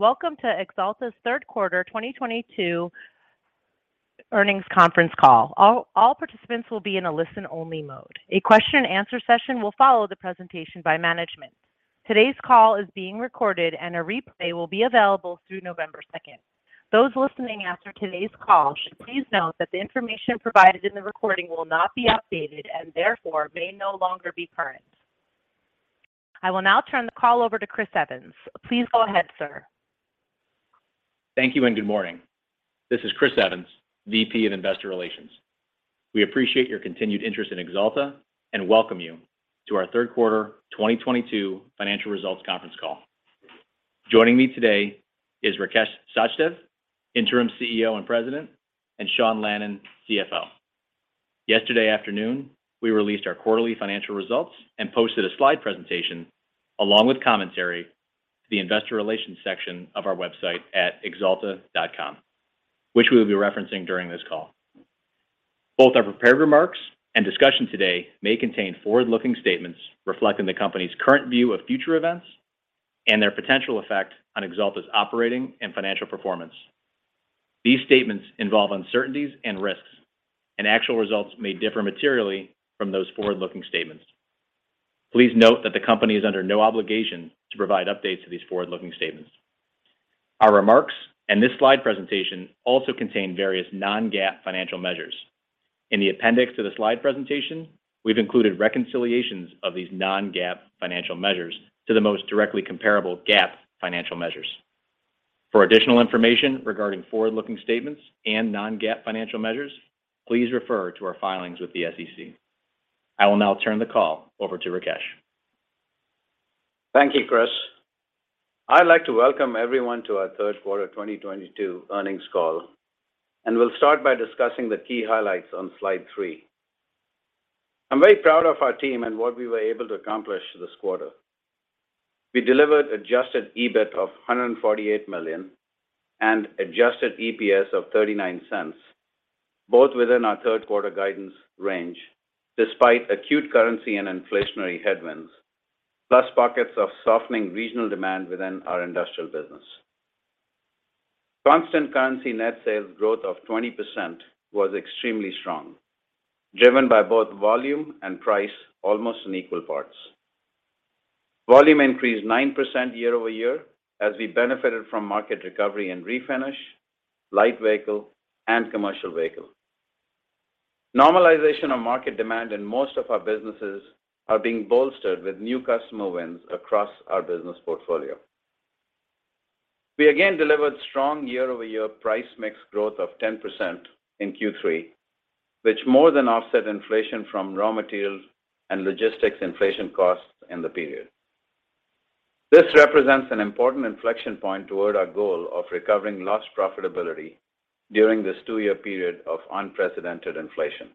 Welcome to Axalta's third quarter 2022 earnings conference call. All participants will be in a listen-only mode. A question and answer session will follow the presentation by management. Today's call is being recorded, and a replay will be available through November 2. Those listening after today's call should please note that the information provided in the recording will not be updated and therefore may no longer be current. I will now turn the call over to Chris Evans. Please go ahead, sir. Thank you, and good morning. This is Chris Evans, VP of Investor Relations. We appreciate your continued interest in Axalta, and welcome you to our third quarter 2022 financial results conference call. Joining me today is Rakesh Sachdev, Interim CEO and President, and Sean Lannon, CFO. Yesterday afternoon, we released our quarterly financial results and posted a slide presentation along with commentary to the investor relations section of our website at axalta.com, which we'll be referencing during this call. Both our prepared remarks and discussion today may contain forward-looking statements reflecting the company's current view of future events and their potential effect on Axalta's operating and financial performance. These statements involve uncertainties and risks, and actual results may differ materially from those forward-looking statements. Please note that the company is under no obligation to provide updates to these forward-looking statements. Our remarks and this slide presentation also contain various non-GAAP financial measures. In the appendix to the slide presentation, we've included reconciliations of these non-GAAP financial measures to the most directly comparable GAAP financial measures. For additional information regarding forward-looking statements and non-GAAP financial measures, please refer to our filings with the SEC. I will now turn the call over to Rakesh. Thank you, Chris. I'd like to welcome everyone to our third quarter 2022 earnings call, and we'll start by discussing the key highlights on slide three. I'm very proud of our team and what we were able to accomplish this quarter. We delivered adjusted EBIT of $148 million and adjusted EPS of $0.39, both within our third quarter guidance range, despite acute currency and inflationary headwinds, plus pockets of softening regional demand within our industrial business. Constant currency net sales growth of 20% was extremely strong, driven by both volume and price almost in equal parts. Volume increased 9% year-over-year as we benefited from market recovery and Refinish, Light Vehicle, and Commercial Vehicle. Normalization of market demand in most of our businesses are being bolstered with new customer wins across our business portfolio. We again delivered strong year-over-year price mix growth of 10% in Q3, which more than offset inflation from raw materials and logistics inflation costs in the period. This represents an important inflection point toward our goal of recovering lost profitability during this two year period of unprecedented inflation.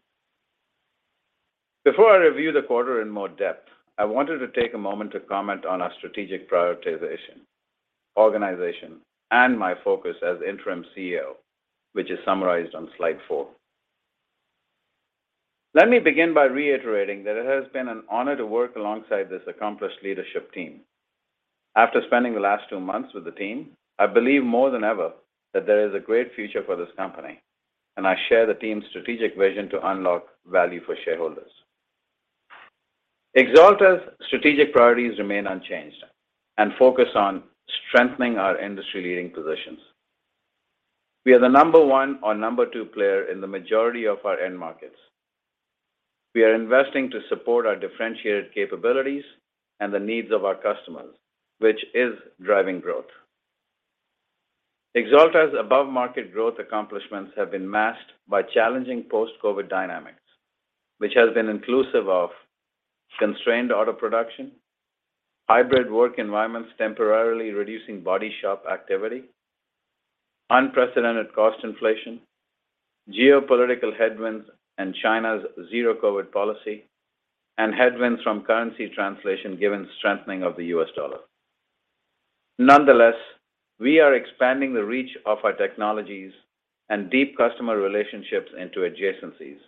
Before I review the quarter in more depth, I wanted to take a moment to comment on our strategic prioritization, organization, and my focus as Interim CEO, which is summarized on slide four. Let me begin by reiterating that it has been an honor to work alongside this accomplished leadership team. After spending the last two months with the team, I believe more than ever that there is a great future for this company, and I share the team's strategic vision to unlock value for shareholders. Axalta's strategic priorities remain unchanged and focus on strengthening our industry-leading positions. We are the number one or number two player in the majority of our end markets. We are investing to support our differentiated capabilities and the needs of our customers, which is driving growth. Axalta's above-market growth accomplishments have been masked by challenging post-COVID dynamics, which has been inclusive of constrained auto production, hybrid work environments temporarily reducing body shop activity, unprecedented cost inflation, geopolitical headwinds, and China's zero-COVID policy, and headwinds from currency translation given strengthening of the US dollar. Nonetheless, we are expanding the reach of our technologies and deep customer relationships into adjacencies,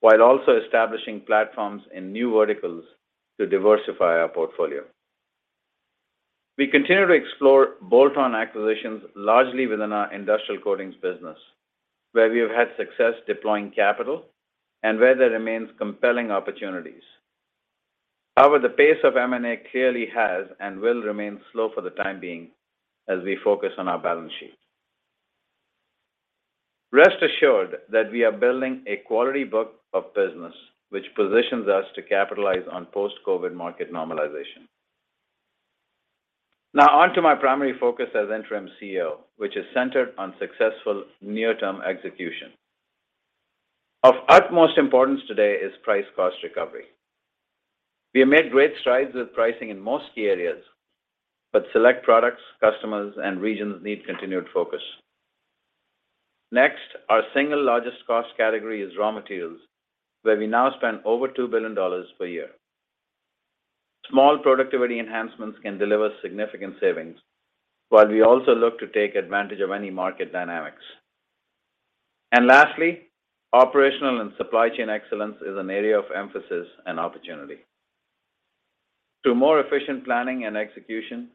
while also establishing platforms in new verticals to diversify our portfolio. We continue to explore bolt-on acquisitions largely within our industrial coatings business, where we have had success deploying capital and where there remains compelling opportunities. However, the pace of M&A clearly has and will remain slow for the time being as we focus on our balance sheet. Rest assured that we are building a quality book of business which positions us to capitalize on post-COVID market normalization. Now on to my primary focus as interim CEO, which is centered on successful near-term execution. Of utmost importance today is price cost recovery. We have made great strides with pricing in most key areas, but select products, customers, and regions need continued focus. Next, our single largest cost category is raw materials, where we now spend over $2 billion per year. Small productivity enhancements can deliver significant savings while we also look to take advantage of any market dynamics. Lastly, operational and supply chain excellence is an area of emphasis and opportunity. Through more efficient planning and execution,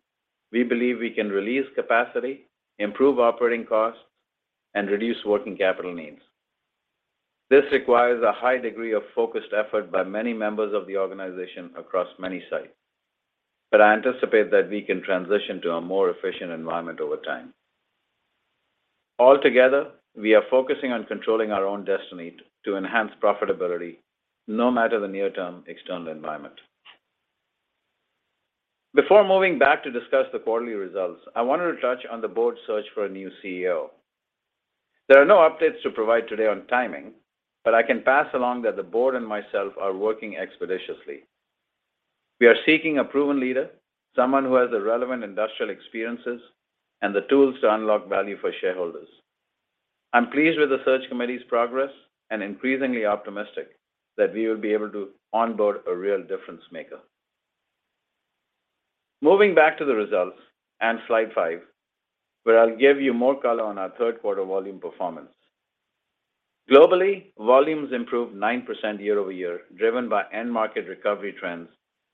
we believe we can release capacity, improve operating costs, and reduce working capital needs. This requires a high degree of focused effort by many members of the organization across many sites, but I anticipate that we can transition to a more efficient environment over time. Altogether, we are focusing on controlling our own destiny to enhance profitability, no matter the near-term external environment. Before moving back to discuss the quarterly results, I wanted to touch on the board search for a new CEO. There are no updates to provide today on timing, but I can pass along that the board and myself are working expeditiously. We are seeking a proven leader, someone who has the relevant industrial experiences and the tools to unlock value for shareholders. I'm pleased with the search committee's progress and increasingly optimistic that we will be able to onboard a real difference maker. Moving back to the results and slide five, where I'll give you more color on our third quarter volume performance. Globally, volumes improved 9% year-over-year, driven by end market recovery trends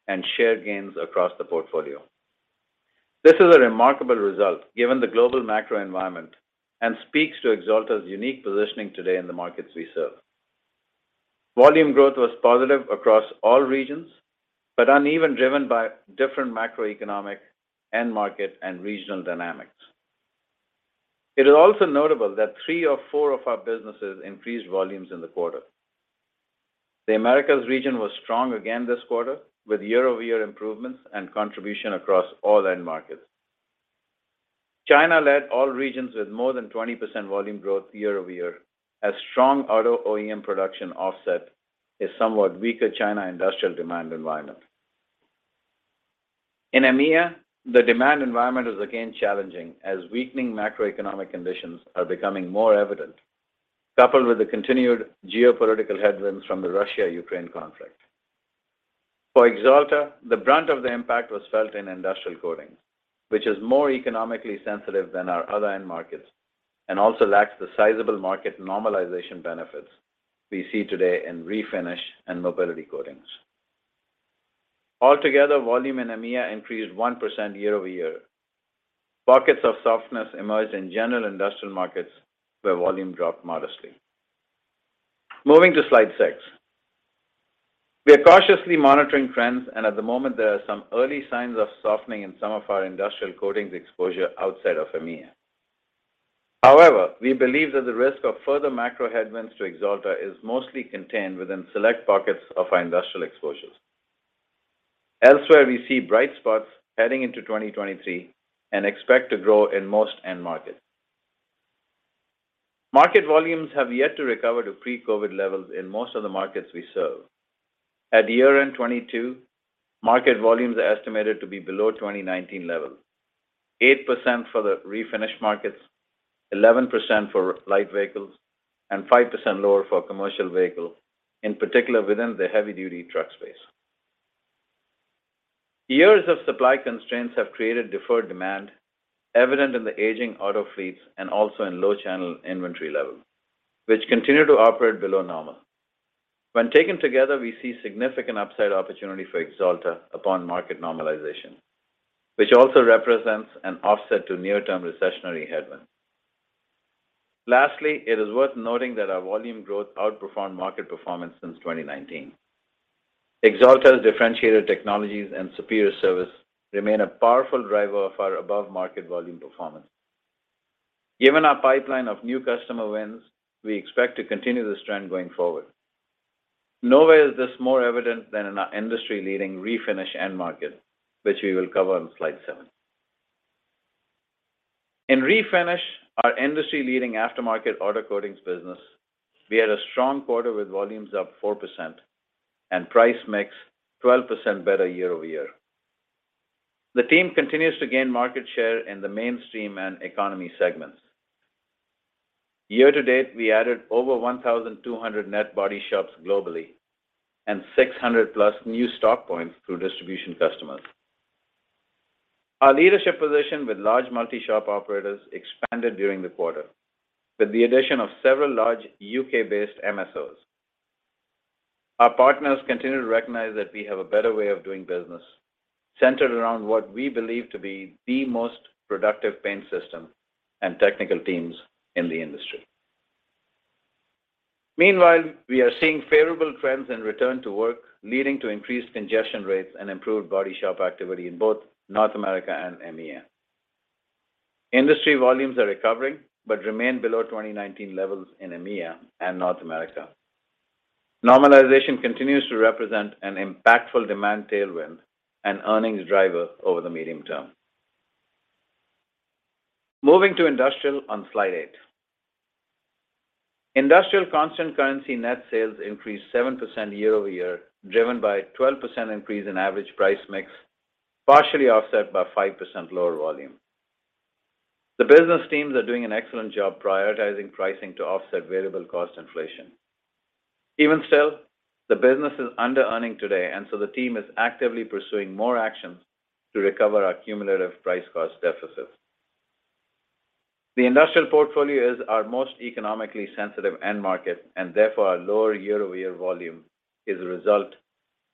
and share gains across the portfolio. This is a remarkable result given the global macro environment and speaks to Axalta's unique positioning today in the markets we serve. Volume growth was positive across all regions, but uneven, driven by different macroeconomic end market and regional dynamics. It is also notable that three of four of our businesses increased volumes in the quarter. The Americas region was strong again this quarter with year-over-year improvements and contribution across all end markets. China led all regions with more than 20% volume growth year-over-year as strong auto OEM production offset a somewhat weaker China industrial demand environment. In EMEA, the demand environment is again challenging as weakening macroeconomic conditions are becoming more evident, coupled with the continued geopolitical headwinds from the Russia-Ukraine conflict. For Axalta, the brunt of the impact was felt in Industrial Coatings, which is more economically sensitive than our other end markets and also lacks the sizable market normalization benefits we see today in Refinish and Mobility Coatings. Altogether, volume in EMEA increased 1% year-over-year. Pockets of softness emerged in general industrial markets where volume dropped modestly. Moving to slide six. We are cautiously monitoring trends, and at the moment there are some early signs of softening in some of our Industrial Coatings exposure outside of EMEA. However, we believe that the risk of further macro headwinds to Axalta is mostly contained within select pockets of our industrial exposures. Elsewhere, we see bright spots heading into 2023 and expect to grow in most end markets. Market volumes have yet to recover to pre-COVID levels in most of the markets we serve. At year-end 2022, market volumes are estimated to be below 2019 levels, 8% for the refinish markets, 11% for light vehicles, and 5% lower for commercial vehicles, in particular within the heavy-duty truck space. Years of supply constraints have created deferred demand evident in the aging auto fleets and also in low channel inventory levels, which continue to operate below normal. When taken together, we see significant upside opportunity for Axalta upon market normalization, which also represents an offset to near-term recessionary headwinds. Lastly, it is worth noting that our volume growth outperformed market performance since 2019. Axalta's differentiated technologies and superior service remain a powerful driver of our above-market volume performance. Given our pipeline of new customer wins, we expect to continue this trend going forward. Nowhere is this more evident than in our industry-leading refinish end market, which we will cover on slide seven. In Refinish, our industry-leading aftermarket auto coatings business, we had a strong quarter with volumes up 4% and price mix 12% better year-over-year. The team continues to gain market share in the mainstream and economy segments. Year to date, we added over 1,200 net body shops globally and 600+ new stock points through distribution customers. Our leadership position with large multi-shop operators expanded during the quarter with the addition of several large U.K.-based MSOs. Our partners continue to recognize that we have a better way of doing business centered around what we believe to be the most productive paint system and technical teams in the industry. Meanwhile, we are seeing favorable trends in return to work, leading to increased congestion rates and improved body shop activity in both North America and EMEA. Industry volumes are recovering, but remain below 2019 levels in EMEA and North America. Normalization continues to represent an impactful demand tailwind and earnings driver over the medium term. Moving to Industrial on slide eight. Industrial constant currency net sales increased 7% year-over-year, driven by a 12% increase in average price mix, partially offset by 5% lower volume. The business teams are doing an excellent job prioritizing pricing to offset variable cost inflation. Even still, the business is underearning today, and so the team is actively pursuing more actions to recover our cumulative price-cost deficit. The industrial portfolio is our most economically sensitive end market, and therefore, our lower year-over-year volume is a result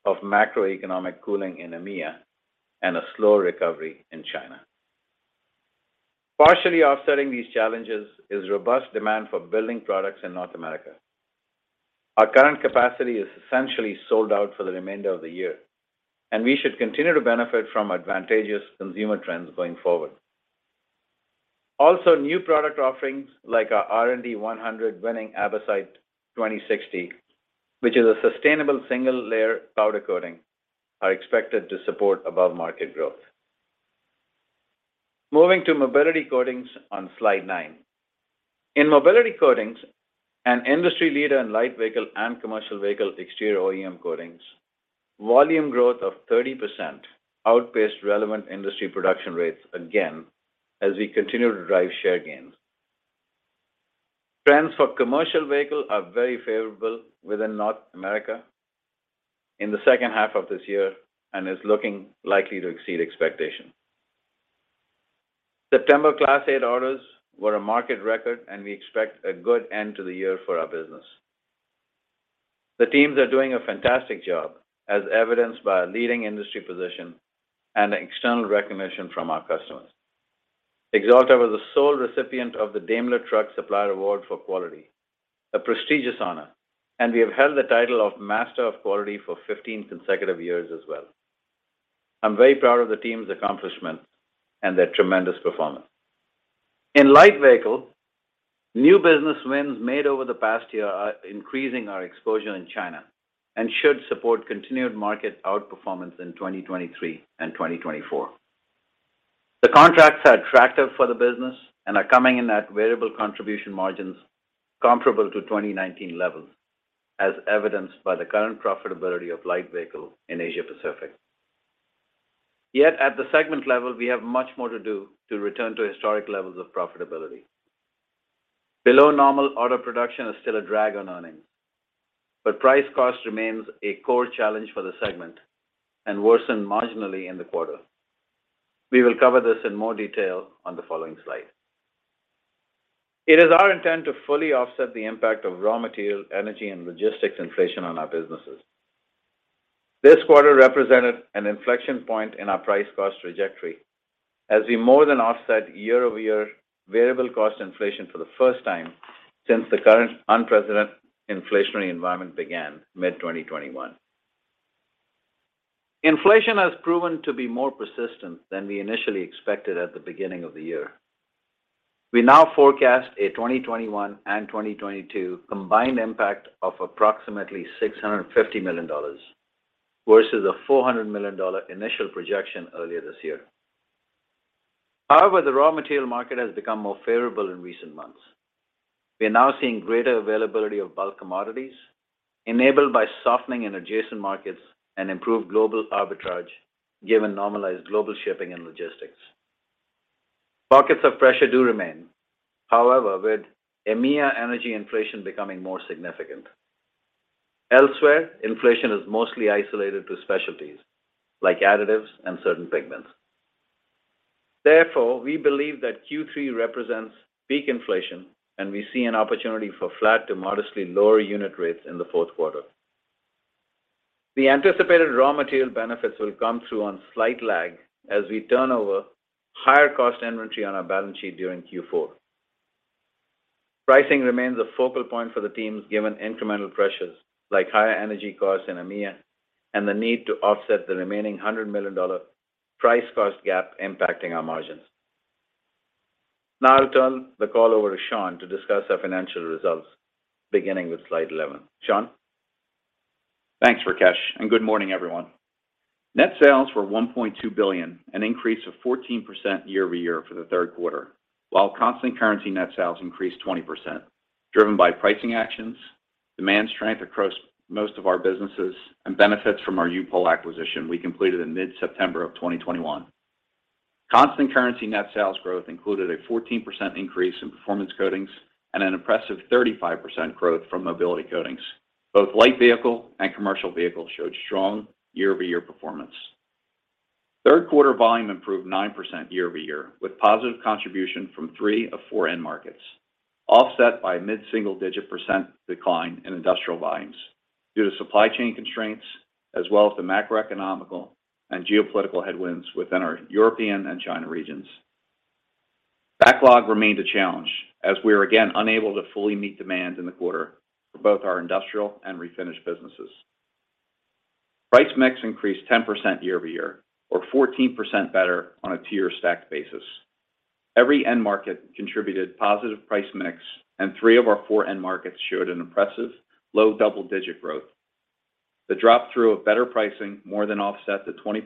of macroeconomic cooling in EMEA and a slow recovery in China. Partially offsetting these challenges is robust demand for building products in North America. Our current capacity is essentially sold out for the remainder of the year, and we should continue to benefit from advantageous consumer trends going forward. Also, new product offerings like our R&D 100-winning Abcite 2060, which is a sustainable single-layer powder coating, are expected to support above-market growth. Moving to Mobility Coatings on Slide nine. In Mobility Coatings, an industry leader in light vehicle and commercial vehicle exterior OEM coatings, volume growth of 30% outpaced relevant industry production rates again as we continue to drive share gains. Trends for commercial vehicle are very favorable within North America in the second half of this year and is looking likely to exceed expectations. September Class 8 orders were a market record, and we expect a good end to the year for our business. The teams are doing a fantastic job, as evidenced by our leading industry position and the external recognition from our customers. Axalta was the sole recipient of the Daimler Truck Supplier Award for Quality, a prestigious honor, and we have held the title of Master of Quality for 15 consecutive years as well. I'm very proud of the team's accomplishments and their tremendous performance. In Light Vehicle, new business wins made over the past year are increasing our exposure in China and should support continued market outperformance in 2023 and 2024. The contracts are attractive for the business and are coming in at variable contribution margins comparable to 2019 levels, as evidenced by the current profitability of Light Vehicle in Asia Pacific. Yet at the segment level, we have much more to do to return to historic levels of profitability. Below-normal auto production is still a drag on earnings, but price cost remains a core challenge for the segment and worsened marginally in the quarter. We will cover this in more detail on the following slide. It is our intent to fully offset the impact of raw material, energy, and logistics inflation on our businesses. This quarter represented an inflection point in our price cost trajectory as we more than offset year-over-year variable cost inflation for the first time since the current unprecedented inflationary environment began mid-2021. Inflation has proven to be more persistent than we initially expected at the beginning of the year. We now forecast a 2021 and 2022 combined impact of approximately $650 million, versus a $400 million initial projection earlier this year. However, the raw material market has become more favorable in recent months. We are now seeing greater availability of bulk commodities enabled by softening in adjacent markets and improved global arbitrage, given normalized global shipping and logistics. Pockets of pressure do remain, however, with EMEA energy inflation becoming more significant. Elsewhere, inflation is mostly isolated to specialties like additives and certain pigments. Therefore, we believe that Q3 represents peak inflation, and we see an opportunity for flat to modestly lower unit rates in the fourth quarter. The anticipated raw material benefits will come through on slight lag as we turn over higher-cost inventory on our balance sheet during Q4. Pricing remains a focal point for the teams given incremental pressures like higher energy costs in EMEA and the need to offset the remaining $100 million price cost gap impacting our margins. Now I'll turn the call over to Sean to discuss our financial results beginning with Slide 11. Sean? Thanks, Rakesh, and good morning, everyone. Net sales were $1.2 billion, an increase of 14% year-over-year for the third quarter, while constant currency net sales increased 20%, driven by pricing actions, demand strength across most of our businesses, and benefits from our U-POL acquisition we completed in mid-September of 2021. Constant currency net sales growth included a 14% increase in Performance Coatings and an impressive 35% growth from Mobility Coatings. Both Light Vehicle and Commercial Vehicle showed strong year-over-year performance. Third quarter volume improved 9% year-over-year, with positive contribution from three of four end markets, offset by mid-single-digit percent decline in industrial volumes due to supply chain constraints as well as the macroeconomic and geopolitical headwinds within our European and Chinese regions. Backlog remained a challenge as we are again unable to fully meet demand in the quarter for both our industrial and refinish businesses. Price mix increased 10% year-over-year or 14% better on a two-year stacked basis. Every end market contributed positive price mix, and three of our four end markets showed an impressive low double-digit growth. The drop through of better pricing more than offset the 20%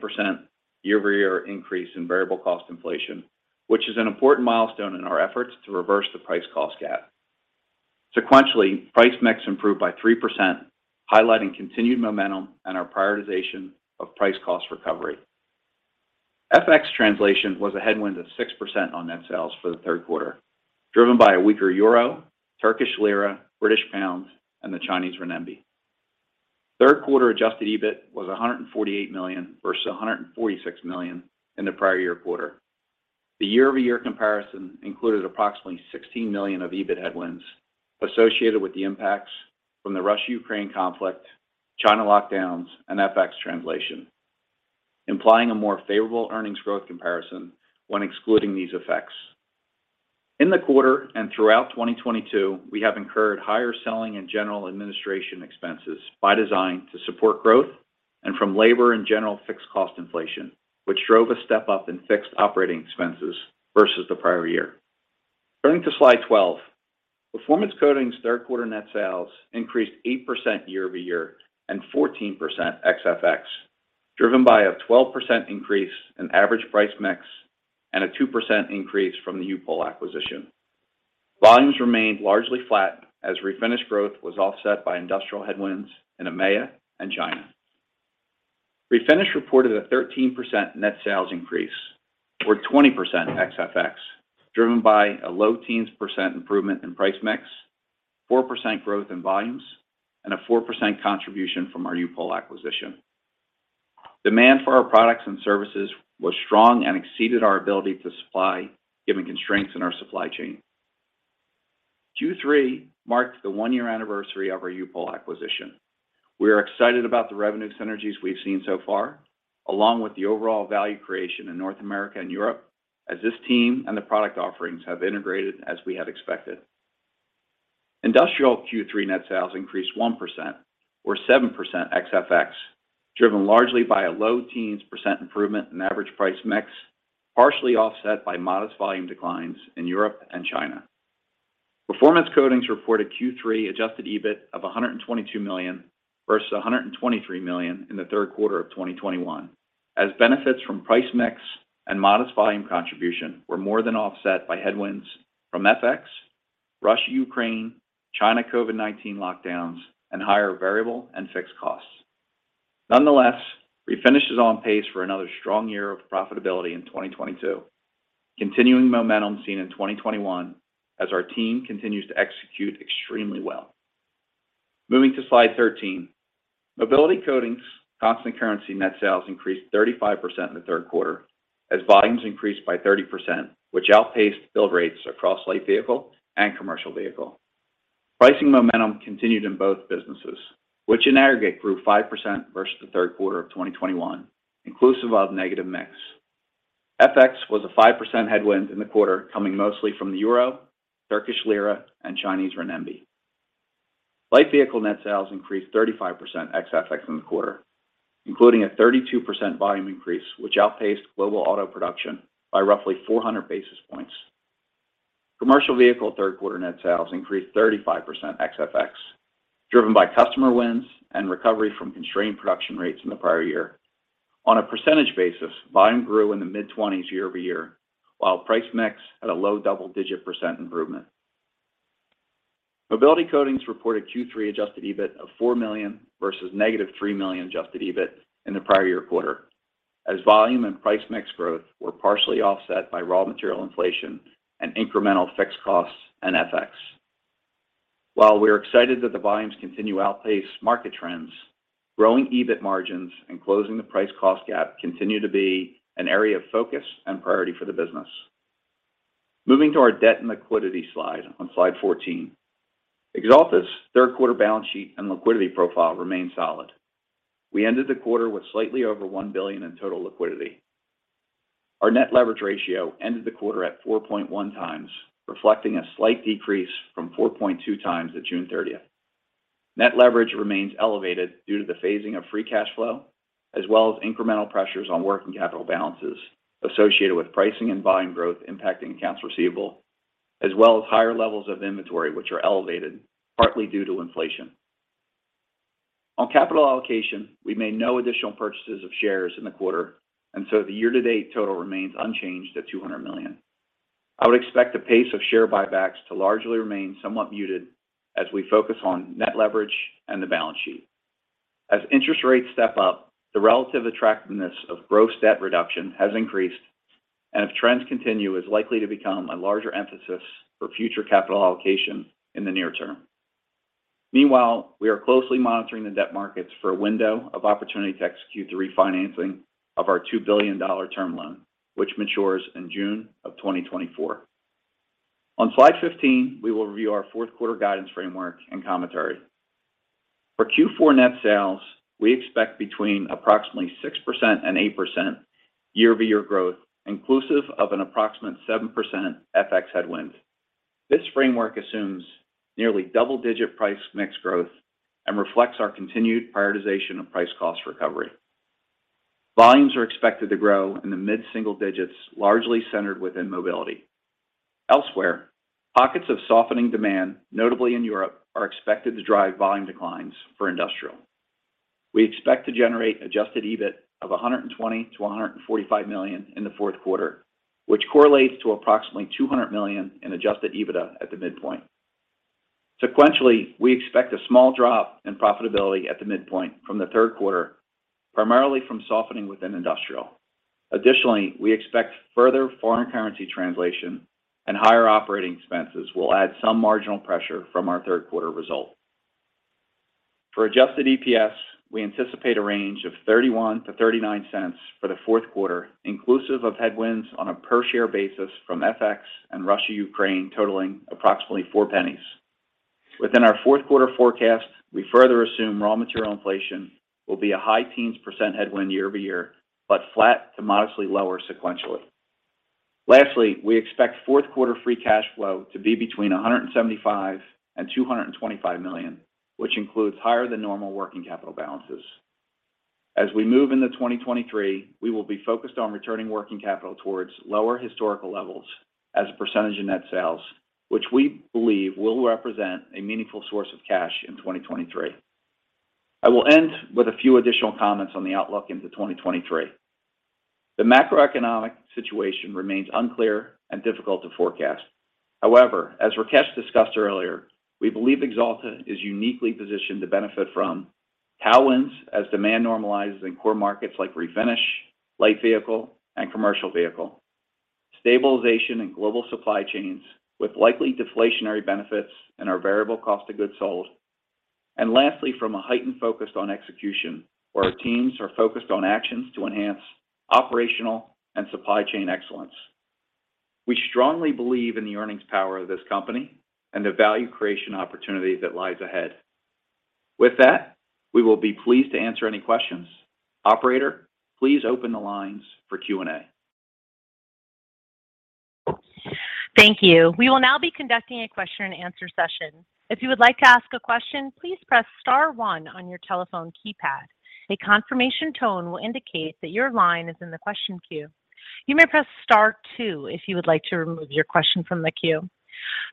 year-over-year increase in variable cost inflation, which is an important milestone in our efforts to reverse the price cost gap. Sequentially, price mix improved by 3%, highlighting continued momentum and our prioritization of price cost recovery. FX translation was a headwind of 6% on net sales for the third quarter, driven by a weaker euro, Turkish lira, British pound, and the Chinese renminbi. Third quarter adjusted EBIT was $148 million versus $146 million in the prior year quarter. The year-over-year comparison included approximately $16 million of EBIT headwinds associated with the impacts from the Russia-Ukraine conflict, China lockdowns, and FX translation, implying a more favorable earnings growth comparison when excluding these effects. In the quarter and throughout 2022, we have incurred higher selling and general administration expenses by design to support growth and from labor and general fixed cost inflation, which drove a step up in fixed operating expenses versus the prior year. Turning to slide 12, Performance Coatings' third quarter net sales increased 8% year-over-year and 14% ex FX, driven by a 12% increase in average price mix and a 2% increase from the U-POL acquisition. Volumes remained largely flat as Refinish growth was offset by Industrial headwinds in EMEA and China. Refinish reported a 13% net sales increase, or 20% ex FX, driven by a low teens % improvement in price mix, 4% growth in volumes, and a 4% contribution from our U-POL acquisition. Demand for our products and services was strong and exceeded our ability to supply given constraints in our supply chain. Q3 marked the one year anniversary of our U-POL acquisition. We are excited about the revenue synergies we've seen so far, along with the overall value creation in North America and Europe as this team and the product offerings have integrated as we had expected. Industrial Q3 net sales increased 1% or 7% ex FX, driven largely by a low teens % improvement in average price mix, partially offset by modest volume declines in Europe and China. Performance Coatings reported Q3 adjusted EBIT of $122 million versus $123 million in the third quarter of 2021, as benefits from price mix and modest volume contribution were more than offset by headwinds from FX, Russia-Ukraine, China COVID-19 lockdowns, and higher variable and fixed costs. Nonetheless, Refinish is on pace for another strong year of profitability in 2022, continuing momentum seen in 2021 as our team continues to execute extremely well. Moving to slide 13. Mobility Coatings constant currency net sales increased 35% in the third quarter as volumes increased by 30%, which outpaced build rates across Light Vehicle and Commercial Vehicle. Pricing momentum continued in both businesses, which in aggregate grew 5% versus the third quarter of 2021, inclusive of negative mix. FX was a 5% headwind in the quarter, coming mostly from the euro, Turkish lira, and Chinese renminbi. Light vehicle net sales increased 35% ex FX in the quarter, including a 32% volume increase, which outpaced global auto production by roughly 400 basis points. Commercial vehicle third quarter net sales increased 35% ex FX, driven by customer wins and recovery from constrained production rates in the prior year. On a percentage basis, volume grew in the mid-20s year-over-year, while price mix had a low double-digit percent improvement. Mobility Coatings reported Q3 adjusted EBIT of $4 million versus -$3 million adjusted EBIT in the prior year quarter, as volume and price mix growth were partially offset by raw material inflation and incremental fixed costs and FX. While we are excited that the volumes continue to outpace market trends, growing EBIT margins and closing the price cost gap continue to be an area of focus and priority for the business. Moving to our debt and liquidity slide on slide 14. Axalta's third quarter balance sheet and liquidity profile remain solid. We ended the quarter with slightly over $1 billion in total liquidity. Our net leverage ratio ended the quarter at 4.1x, reflecting a slight decrease from 4.2x at June 30. Net leverage remains elevated due to the phasing of free cash flow, as well as incremental pressures on working capital balances associated with pricing and volume growth impacting accounts receivable, as well as higher levels of inventory, which are elevated partly due to inflation. On capital allocation, we made no additional purchases of shares in the quarter, and so the year-to-date total remains unchanged at $200 million. I would expect the pace of share buybacks to largely remain somewhat muted as we focus on net leverage and the balance sheet. As interest rates step up, the relative attractiveness of gross debt reduction has increased and if trends continue, is likely to become a larger emphasis for future capital allocation in the near term. Meanwhile, we are closely monitoring the debt markets for a window of opportunity to execute the refinancing of our $2 billion term loan, which matures in June of 2024. On slide 15, we will review our fourth quarter guidance framework and commentary. For Q4 net sales, we expect between approximately 6% and 8% year-over-year growth inclusive of an approximate 7% FX headwind. This framework assumes nearly double-digit price mix growth and reflects our continued prioritization of price cost recovery. Volumes are expected to grow in the mid-single digits, largely centered within Mobility. Elsewhere, pockets of softening demand, notably in Europe, are expected to drive volume declines for Industrial. We expect to generate adjusted EBIT of $120 million-$145 million in the fourth quarter, which correlates to approximately $200 million in adjusted EBITDA at the midpoint. Sequentially, we expect a small drop in profitability at the midpoint from the third quarter, primarily from softening within industrial. Additionally, we expect further foreign currency translation and higher operating expenses will add some marginal pressure from our third quarter results. For adjusted EPS, we anticipate a range of $0.31-$0.39 for the fourth quarter, inclusive of headwinds on a per share basis from FX and Russia/Ukraine totaling approximately $0.04. Within our fourth quarter forecast, we further assume raw material inflation will be a high teens % headwind year-over-year, but flat to modestly lower sequentially. Lastly, we expect fourth quarter free cash flow to be between $175 million and $225 million, which includes higher than normal working capital balances. As we move into 2023, we will be focused on returning working capital towards lower historical levels as a percentage of net sales, which we believe will represent a meaningful source of cash in 2023. I will end with a few additional comments on the outlook into 2023. The macroeconomic situation remains unclear and difficult to forecast. However, as Rakesh discussed earlier, we believe Axalta is uniquely positioned to benefit from tailwinds as demand normalizes in core markets like Refinish, Light Vehicle, and Commercial Vehicle. Stabilization in global supply chains with likely deflationary benefits in our variable cost of goods sold. Lastly, from a heightened focus on execution, where our teams are focused on actions to enhance operational and supply chain excellence. We strongly believe in the earnings power of this company and the value creation opportunity that lies ahead. With that, we will be pleased to answer any questions. Operator, please open the lines for Q&A. Thank you. We will now be conducting a question and answer session. If you would like to ask a question, please press star one on your telephone keypad. A confirmation tone will indicate that your line is in the question queue. You may press star two if you would like to remove your question from the queue.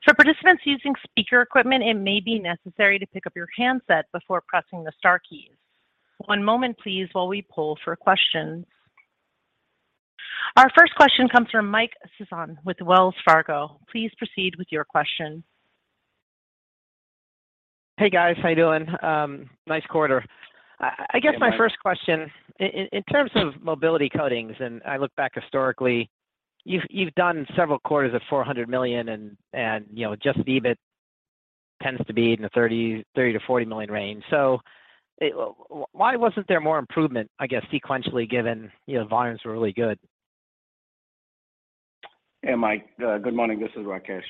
For participants using speaker equipment, it may be necessary to pick up your handset before pressing the star keys. One moment, please, while we poll for questions. Our first question comes from Michael Sison with Wells Fargo. Please proceed with your question. Hey, guys. How you doing? Nice quarter. Hey, Mike. I guess my first question, in terms of Mobility Coatings, and I look back historically, you've done several quarters of $400 million and you know just EBIT tends to be in the $30 million-$40 million range. Why wasn't there more improvement, I guess, sequentially given you know volumes were really good? Hey, Mike. Good morning. This is Rakesh.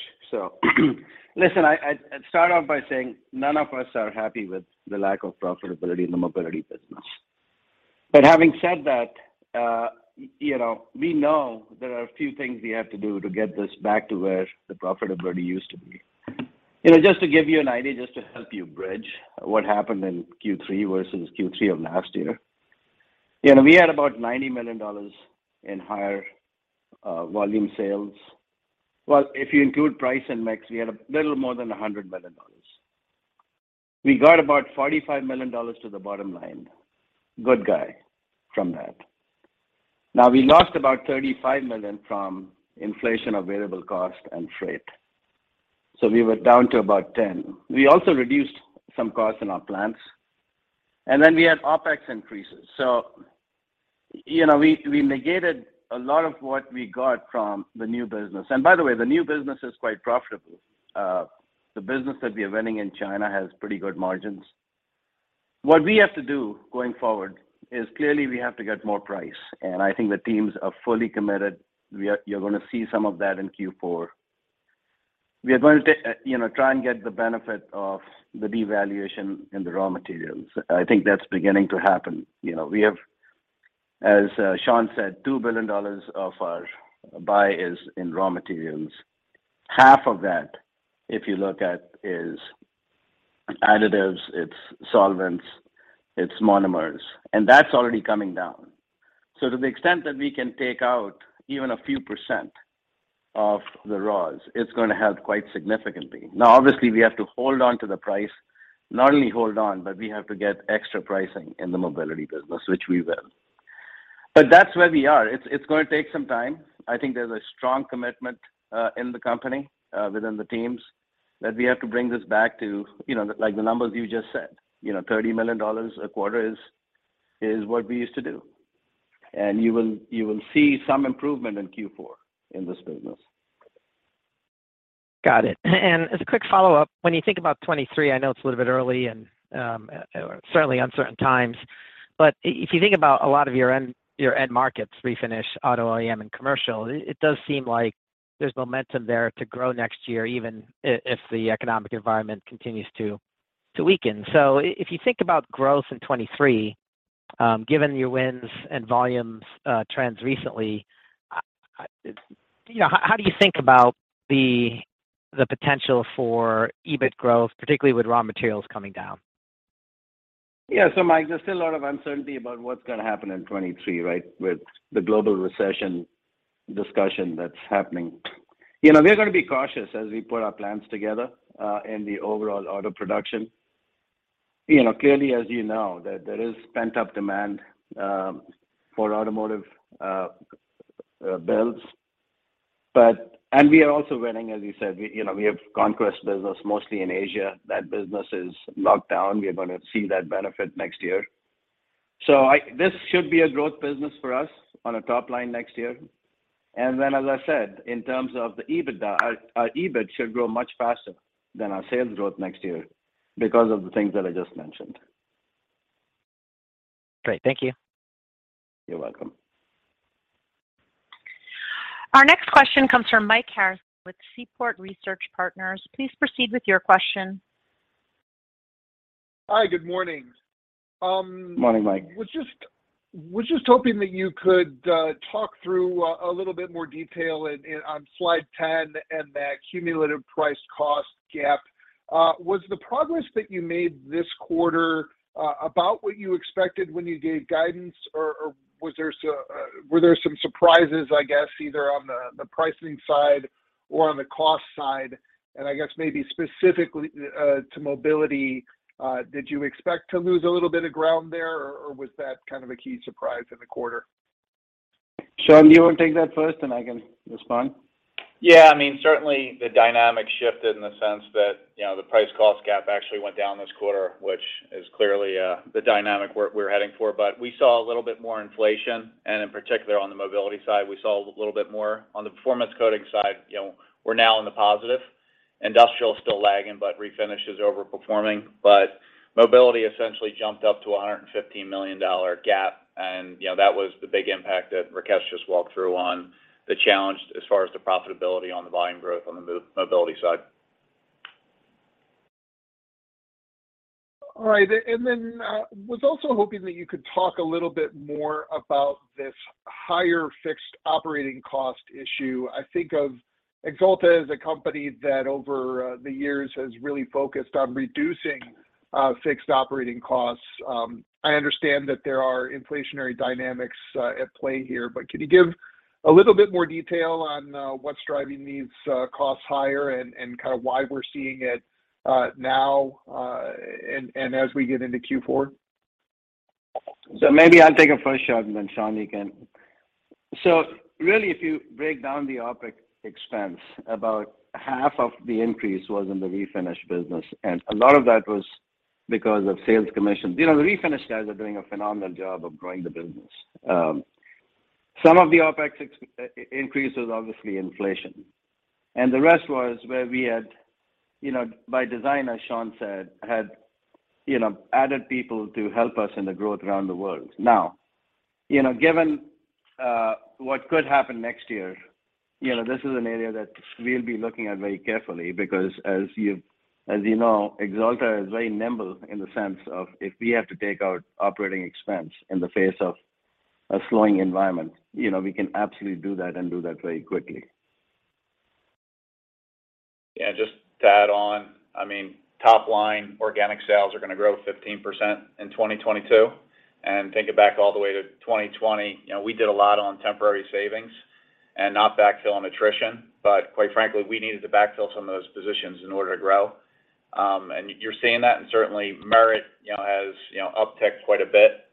Listen, I'd start off by saying none of us are happy with the lack of profitability in the mobility business. Having said that, you know, we know there are a few things we have to do to get this back to where the profitability used to be. You know, just to give you an idea, just to help you bridge what happened in Q3 versus Q3 of last year. You know, we had about $90 million in higher volume sales. Well, if you include price and mix, we had a little more than $100 million. We got about $45 million to the bottom line from that. Now, we lost about $35 million from inflation, variable cost and freight. We were down to about $10 million. We also reduced some costs in our plants. Then we had OpEx increases. You know, we negated a lot of what we got from the new business. By the way, the new business is quite profitable. The business that we are running in China has pretty good margins. What we have to do going forward is clearly we have to get more price. I think the teams are fully committed. You're gonna see some of that in Q4. We are going to, you know, try and get the benefit of the devaluation in the raw materials. I think that's beginning to happen. You know, we have, as Sean said, $2 billion of our spend is in raw materials. Half of that, if you look at, is additives, it's solvents, it's monomers, and that's already coming down. To the extent that we can take out even a few percent of the raws, it's gonna help quite significantly. Now, obviously, we have to hold on to the price. Not only hold on, but we have to get extra pricing in the mobility business, which we will. That's where we are. It's gonna take some time. I think there's a strong commitment in the company within the teams, that we have to bring this back to, you know, like the numbers you just said. You know, $30 million a quarter is what we used to do. You will see some improvement in Q4 in this business. Got it. As a quick follow-up, when you think about 2023, I know it's a little bit early and certainly uncertain times, but if you think about a lot of your end markets, refinish, auto OEM, and commercial, it does seem like there's momentum there to grow next year, even if the economic environment continues to weaken. If you think about growth in 2023, given your wins and volumes, trends recently, you know, how do you think about the potential for EBIT growth, particularly with raw materials coming down? Yeah. Mike, there's still a lot of uncertainty about what's gonna happen in 2023, right, with the global recession discussion that's happening. You know, we're gonna be cautious as we put our plans together in the overall auto production. You know, clearly, as you know, that there is pent-up demand for automotive builds. We are also winning, as you said, you know, we have conquest business mostly in Asia. That business is locked down. We are gonna see that benefit next year. This should be a growth business for us on a top line next year. Then, as I said, in terms of the EBITDA, our EBIT should grow much faster than our sales growth next year because of the things that I just mentioned. Great. Thank you. You're welcome. Our next question comes from Mike Harrison with Seaport Research Partners. Please proceed with your question. Hi. Good morning. Morning, Mike. I was just hoping that you could talk through a little bit more detail on slide 10 and that cumulative price cost gap. Was the progress that you made this quarter about what you expected when you gave guidance or was there some surprises, I guess, either on the pricing side or on the cost side? I guess maybe specifically to Mobility, did you expect to lose a little bit of ground there or was that kind of a key surprise in the quarter? Sean, you wanna take that first and I can respond? Yeah. I mean, certainly the dynamic shifted in the sense that, you know, the price cost gap actually went down this quarter, which is clearly the dynamic we're heading for. We saw a little bit more inflation, and in particular on the Mobility side, we saw a little bit more. On the Performance Coatings side, you know, we're now in the positive. Industrial's still lagging, but Refinish is overperforming. Mobility essentially jumped up to a $150 million gap and, you know, that was the big impact that Rakesh just walked through on the challenge as far as the profitability on the volume growth on the Mobility side. All right. I was also hoping that you could talk a little bit more about this higher fixed operating cost issue. I think of Axalta as a company that over the years has really focused on reducing fixed operating costs. I understand that there are inflationary dynamics at play here, but can you give a little bit more detail on what's driving these costs higher and kind of why we're seeing it now and as we get into Q4? Maybe I'll take a first shot and then Sean, you can. Really if you break down the OpEx expense, about half of the increase was in the refinish business, and a lot of that was because of sales commissions. You know, the refinish guys are doing a phenomenal job of growing the business. Some of the OpEx increase was obviously inflation, and the rest was where we had, you know, by design, as Sean said, had, you know, added people to help us in the growth around the world. Now, you know, given what could happen next year, you know, this is an area that we'll be looking at very carefully because as you, as you know, Axalta is very nimble in the sense of if we have to take out operating expense in the face of a slowing environment, you know, we can absolutely do that and do that very quickly. Yeah. Just to add on, I mean, top line organic sales are gonna grow 15% in 2022. Think back all the way to 2020, you know, we did a lot on temporary savings and not backfill on attrition, but quite frankly, we needed to backfill some of those positions in order to grow. You're seeing that, and certainly merit, you know, has, you know, upticked quite a bit.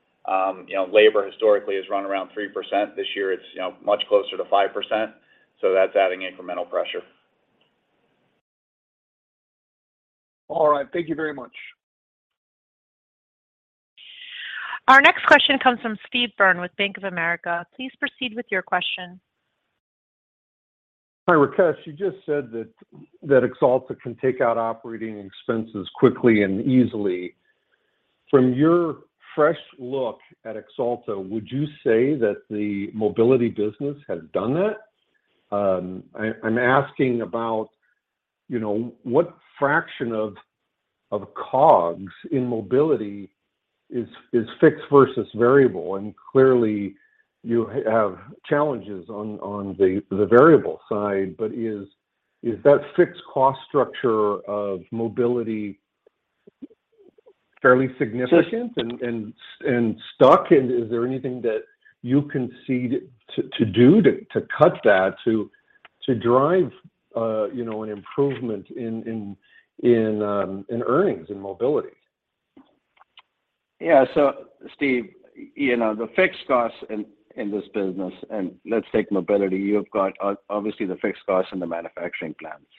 You know, labor historically has run around 3% this year. It's, you know, much closer to 5%, so that's adding incremental pressure. All right. Thank you very much. Our next question comes from Steve Byrne with Bank of America. Please proceed with your question. Hi, Rakesh. You just said that Axalta can take out operating expenses quickly and easily. From your fresh look at Axalta, would you say that the mobility business has done that? I'm asking about, you know, what fraction of COGS in mobility is fixed versus variable. Clearly you have challenges on the variable side, but is that fixed cost structure of mobility fairly significant? So- stuck? Is there anything that you can see to do to cut that, to drive you know an improvement in earnings in mobility? Yeah. Steve, you know, the fixed costs in this business, and let's take Mobility, you've got obviously the fixed costs and the manufacturing plants.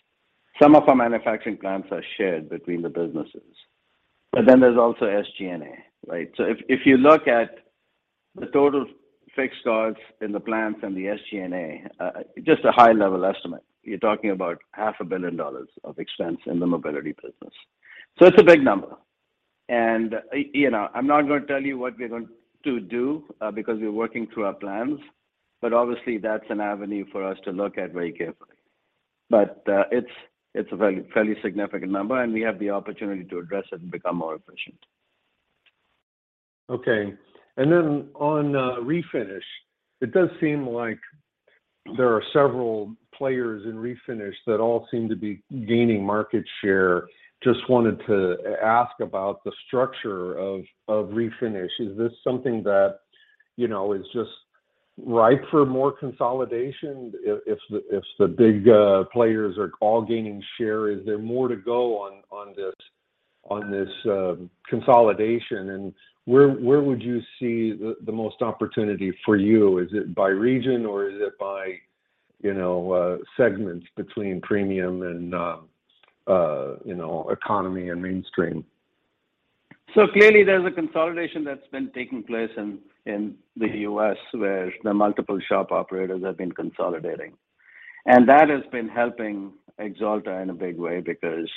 Some of our manufacturing plants are shared between the businesses, but then there's also SG&A, right? If you look at the total fixed costs in the plants and the SG&A, just a high level estimate, you're talking about half a billion dollars of expense in the Mobility business. It's a big number. You know, I'm not gonna tell you what we are going to do, because we are working through our plans, but obviously that's an avenue for us to look at very carefully. It's a very fairly significant number and we have the opportunity to address it and become more efficient. Okay. On Refinish, it does seem like there are several players in Refinish that all seem to be gaining market share. Just wanted to ask about the structure of Refinish. Is this something that, you know, is just Ripe for more consolidation. If the big players are all gaining share, is there more to go on this consolidation? Where would you see the most opportunity for you? Is it by region or is it by, you know, segments between premium and, you know, economy and mainstream? Clearly there's a consolidation that's been taking place in the US where the multiple shop operators have been consolidating. That has been helping Axalta in a big way because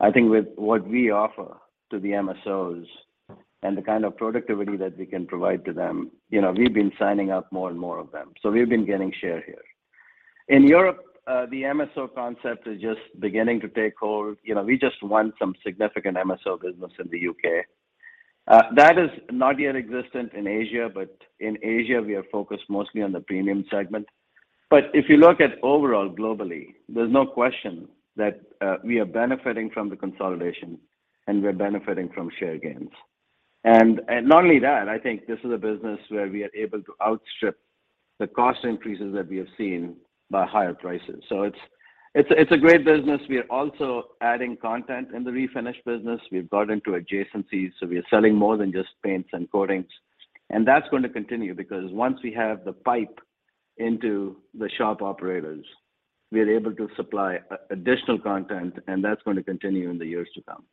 I think with what we offer to the MSOs and the kind of productivity that we can provide to them, you know, we've been signing up more and more of them. We've been gaining share here. In Europe, the MSO concept is just beginning to take hold. You know, we just won some significant MSO business in the UK. That is not yet existent in Asia, but in Asia we are focused mostly on the premium segment. If you look at overall globally, there's no question that we are benefiting from the consolidation and we're benefiting from share gains. not only that, I think this is a business where we are able to outstrip the cost increases that we have seen by higher prices. It's a great business. We are also adding content in the refinish business. We've got into adjacencies, so we are selling more than just paints and coatings. That's going to continue because once we have the pipe into the shop operators, we are able to supply additional content, and that's going to continue in the years to come.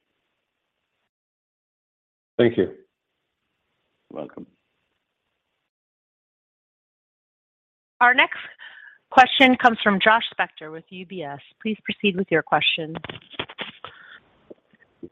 Thank you. You're welcome. Our next question comes from Joshua Spector with UBS. Please proceed with your question.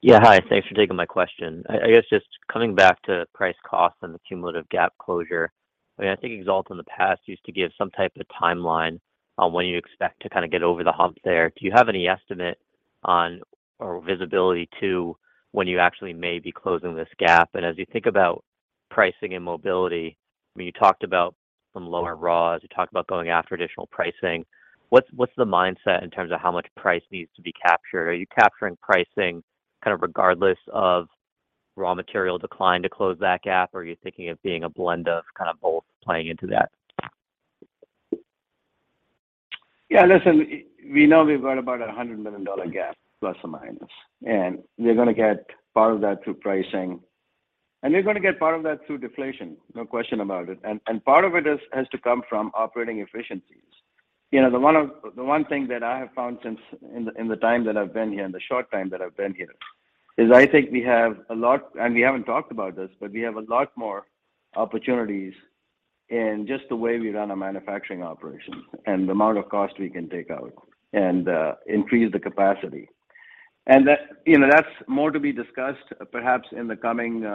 Yeah. Hi, thanks for taking my question. I guess just coming back to price cost and the cumulative gap closure, I mean, I think Axalta in the past used to give some type of timeline on when you expect to kind of get over the hump there. Do you have any estimate on or visibility to when you actually may be closing this gap? As you think about pricing and mobility, I mean, you talked about some lower raws, you talked about going after additional pricing. What's the mindset in terms of how much price needs to be captured? Are you capturing pricing kind of regardless of raw material decline to close that gap, or are you thinking of being a blend of kind of both playing into that? Yeah. Listen, we know we've got about a $100 million gap, plus or minus, and we're gonna get part of that through pricing, and we're gonna get part of that through deflation. No question about it. Part of it has to come from operating efficiencies. You know, the one thing that I have found since in the time that I've been here, in the short time that I've been here, is I think we have a lot. We haven't talked about this, but we have a lot more opportunities in just the way we run our manufacturing operations and the amount of cost we can take out and increase the capacity. That, you know, that's more to be discussed perhaps in the coming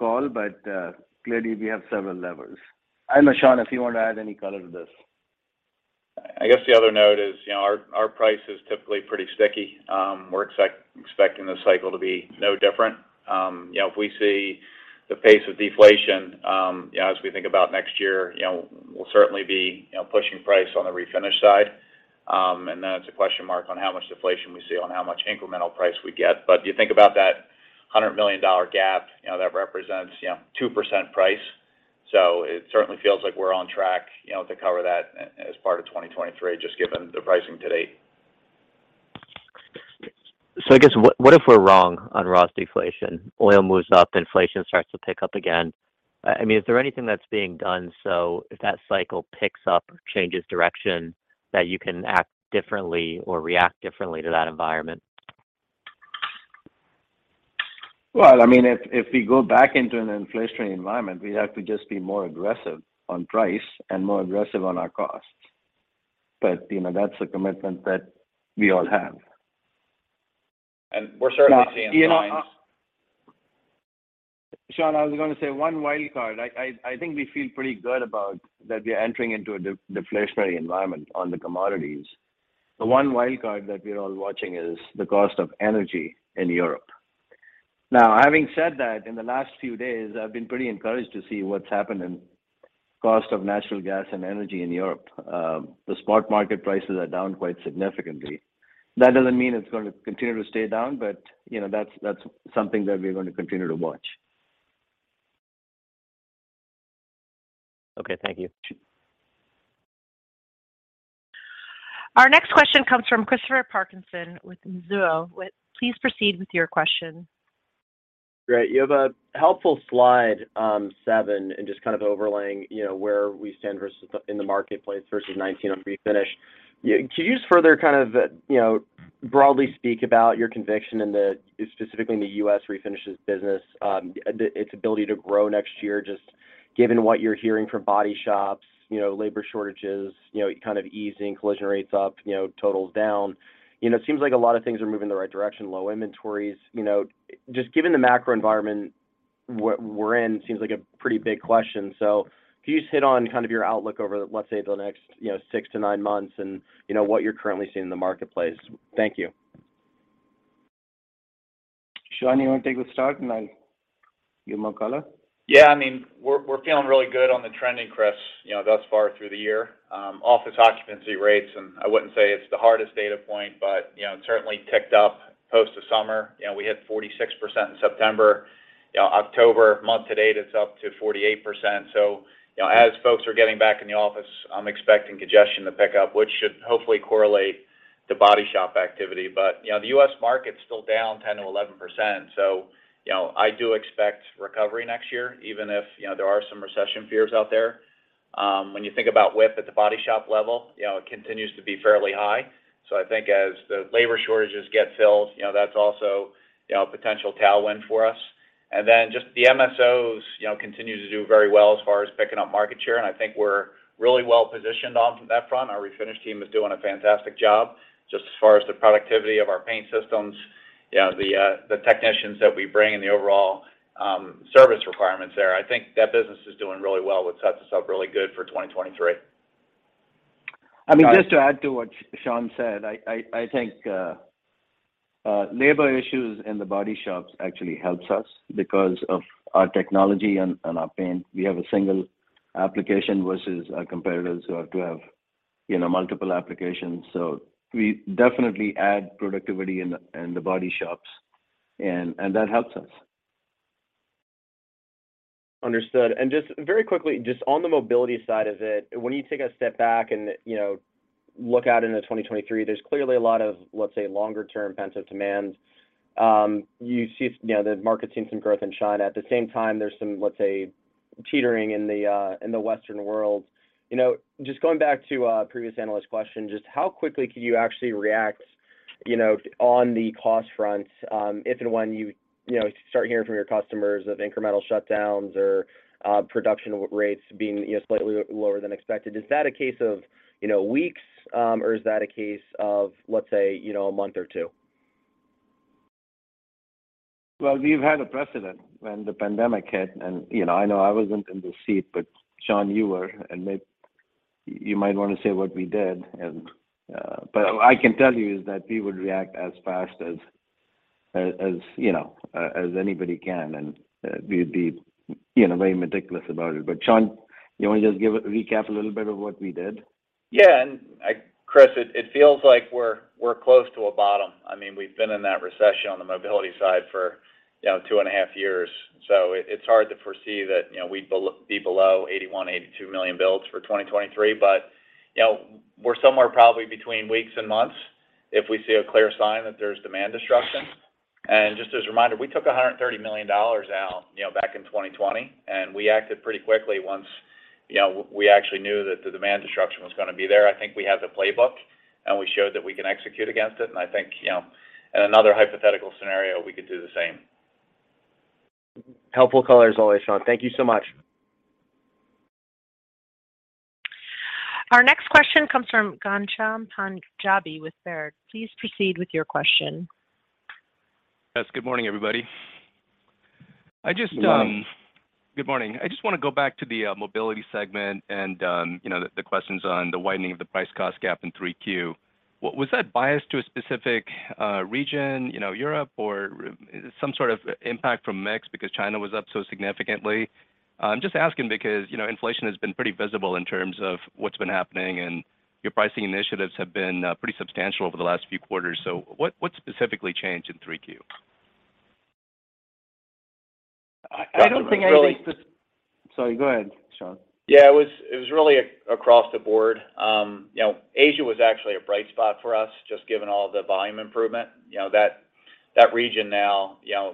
call. Clearly we have several levers. I don't know, Sean, if you wanna add any color to this. I guess the other note is, you know, our price is typically pretty sticky. We're expecting the cycle to be no different. You know, if we see the pace of deflation, you know, as we think about next year, you know, we'll certainly be, you know, pushing price on the refinish side. And then it's a question mark on how much deflation we see on how much incremental price we get. If you think about that $100 million gap, you know, that represents, you know, 2% price. It certainly feels like we're on track, you know, to cover that as part of 2023, just given the pricing to date. I guess what if we're wrong on raw deflation? Oil moves up, inflation starts to pick up again. I mean, is there anything that's being done so if that cycle picks up or changes direction, that you can act differently or react differently to that environment? Well, I mean, if we go back into an inflationary environment, we have to just be more aggressive on price and more aggressive on our costs. You know, that's a commitment that we all have. We're certainly seeing signs. Sean, I was gonna say one wild card. I think we feel pretty good about that we are entering into a deflationary environment on the commodities. The one wild card that we are all watching is the cost of energy in Europe. Now, having said that, in the last few days, I've been pretty encouraged to see what's happened in cost of natural gas and energy in Europe. The spot market prices are down quite significantly. That doesn't mean it's going to continue to stay down, but, you know, that's something that we are going to continue to watch. Okay. Thank you. Our next question comes from Christopher Parkinson with Mizuho. Please proceed with your question. Great. You have a helpful slide seven, and just kind of overlaying, you know, where we stand in the marketplace versus 2019 on refinish. Could you just further kind of, you know, broadly speak about your conviction in the, specifically in the U.S. refinish business, its ability to grow next year, just given what you're hearing from body shops, you know, labor shortages, you know, kind of easing collision rates up, you know, totals down. You know, it seems like a lot of things are moving the right direction, low inventories. You know, just given the macro environment we're in seems like a pretty big question. So can you just hit on kind of your outlook over, let's say the next, you know, six to nine months and you know, what you're currently seeing in the marketplace. Thank you. Sean, you wanna take a start and I'll give more color? Yeah, I mean we're feeling really good on the trending, Chris, you know, thus far through the year. Office occupancy rates, I wouldn't say it's the hardest data point, but you know, certainly ticked up post the summer, you know, we hit 46% in September. You know, October month to date, it's up to 48%. You know, as folks are getting back in the office, I'm expecting congestion to pick up, which should hopefully correlate to body shop activity. You know, the US market's still down 10%-11%, you know, I do expect recovery next year, even if, you know, there are some recession fears out there. When you think about WIP at the body shop level, you know, it continues to be fairly high. I think as the labor shortages get filled, you know, that's also, you know, a potential tailwind for us. Just the MSOs, you know, continue to do very well as far as picking up market share, and I think we're really well-positioned on that front. Our refinish team is doing a fantastic job. Just as far as the productivity of our paint systems, you know, the technicians that we bring and the overall service requirements there, I think that business is doing really well, which sets us up really good for 2023. I mean, just to add to what Sean said, I think labor issues in the body shops actually helps us because of our technology and our paint. We have a single application versus our competitors who have to have, you know, multiple applications. We definitely add productivity in the body shops and that helps us. Understood. Just very quickly, just on the mobility side of it, when you take a step back and, you know, look out into 2023, there's clearly a lot of, let's say, longer term pent-up demand. You see, you know, the market seeing some growth in China. At the same time, there's some, let's say, teetering in the, in the Western world. You know, just going back to a previous analyst question, just how quickly can you actually react, you know, on the cost front, if and when you know, start hearing from your customers of incremental shutdowns or, production rates being, you know, slightly lower than expected? Is that a case of, you know, weeks, or is that a case of, let's say, you know, a month or two? Well, we've had a precedent when the pandemic hit, you know, I know I wasn't in this seat, but Sean, you were, and you might wanna say what we did. What I can tell you is that we would react as fast as you know as anybody can, and we'd be, you know, very meticulous about it. Sean, you wanna just give a recap a little bit of what we did? Yeah. Chris, it feels like we're close to a bottom. I mean, we've been in that recession on the mobility side for, you know, two and a half years. It's hard to foresee that, you know, we'd be below 81-82 million builds for 2023. You know, we're somewhere probably between weeks and months if we see a clear sign that there's demand destruction. Just as a reminder, we took $130 million out, you know, back in 2020, and we acted pretty quickly once, you know, we actually knew that the demand destruction was gonna be there. I think we have the playbook, and we showed that we can execute against it. I think, you know, in another hypothetical scenario, we could do the same. Helpful color as always, Sean. Thank you so much. Our next question comes from Ghansham Panjabi with Baird. Please proceed with your question. Yes. Good morning, everybody. I just, Good morning. Good morning. I just wanna go back to the mobility segment and you know the questions on the widening of the price cost gap in Q3. Was that biased to a specific region you know Europe or some sort of impact from Mexico because China was up so significantly? I'm just asking because you know inflation has been pretty visible in terms of what's been happening and your pricing initiatives have been pretty substantial over the last few quarters. What specifically changed in Q3? I don't think really. Sorry, go ahead, Sean. Yeah. It was really across the board. You know, Asia was actually a bright spot for us, just given all the volume improvement. You know, that region now, you know,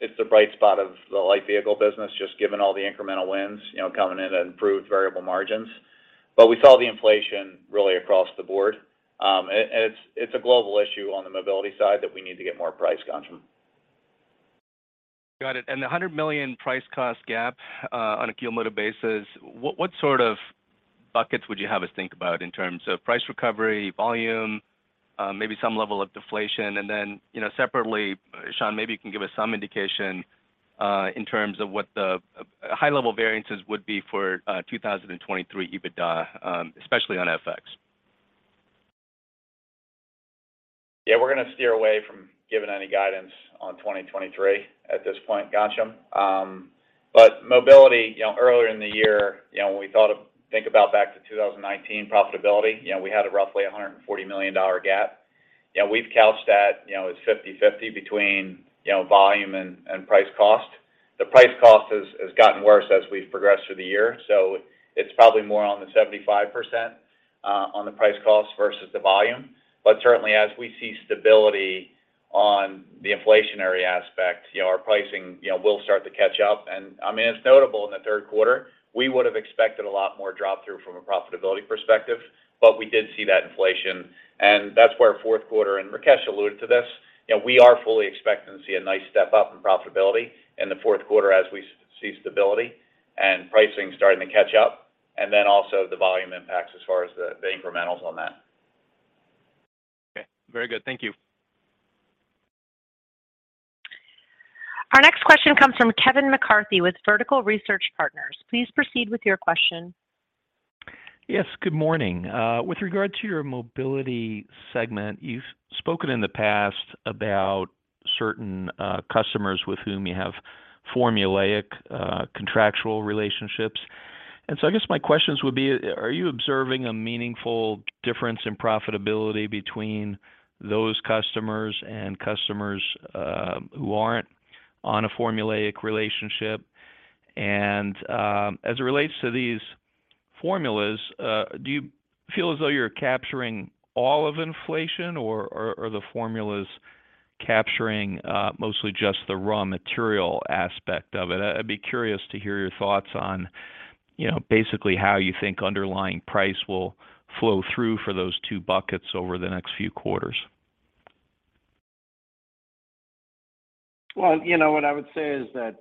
it's the bright spot of the Light Vehicle business, just given all the incremental wins, you know, coming in and improved variable margins. But we saw the inflation really across the board. It's a global issue on the Mobility side that we need to get more price conscious from. Got it. The $100 million price-cost gap, on a quarter-over-quarter basis, what sort of buckets would you have us think about in terms of price recovery, volume, maybe some level of deflation? Then, you know, separately, Sean, maybe you can give us some indication in terms of what the high-level variances would be for 2023 EBITDA, especially on FX. Yeah, we're gonna steer away from giving any guidance on 2023 at this point, Ghansham. But mobility, you know, earlier in the year, you know, when we think about back to 2019 profitability, you know, we had a roughly $140 million gap. You know, we've couched that, you know, as 50/50 between, you know, volume and price cost. The price cost has gotten worse as we've progressed through the year, so it's probably more on the 75% on the price cost versus the volume. But certainly, as we see stability on the inflationary aspect, you know, our pricing, you know, will start to catch up. I mean, it's notable in the third quarter, we would've expected a lot more drop through from a profitability perspective, but we did see that inflation. That's where fourth quarter, and Rakesh alluded to this, you know, we are fully expecting to see a nice step up in profitability in the fourth quarter as we see stability and pricing starting to catch up, and then also the volume impacts as far as the incrementals on that. Okay. Very good. Thank you. Our next question comes from Kevin McCarthy with Vertical Research Partners. Please proceed with your question. Yes. Good morning. With regard to your mobility segment, you've spoken in the past about certain customers with whom you have formulaic contractual relationships. I guess my questions would be, are you observing a meaningful difference in profitability between those customers and customers who aren't on a formulaic relationship? As it relates to these formulas, do you feel as though you're capturing all of inflation or are the formulas capturing mostly just the raw material aspect of it? I'd be curious to hear your thoughts on, you know, basically how you think underlying price will flow through for those two buckets over the next few quarters. Well, you know, what I would say is that